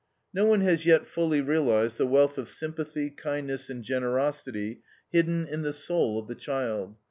"No one has yet fully realized the wealth of sympathy, kindness, and generosity hidden in the soul of the child.